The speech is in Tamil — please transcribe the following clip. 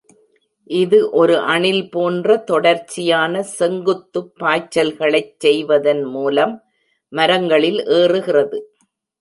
இது ஒரு அணில் போன்ற தொடர்ச்சியான செங்குத்து பாய்ச்சல்களைச் செய்வதன் மூலம் மரங்களில் ஏறுகிறது.